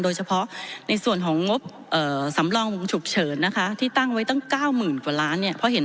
โดยเฉพาะในส่วนของงบสำรองวงฉุกเฉินนะคะที่ตั้งไว้ตั้ง๙๐๐กว่าล้านเนี่ย